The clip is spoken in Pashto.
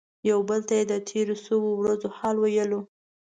یو بل ته یې د تیرو شویو ورځو حال ویلو.